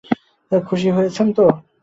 খুশী হয়েছেন তো?